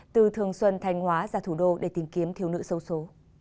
từ thường xuân thành hóa ra thủ đô để tìm kiếm thiếu nữ sâu số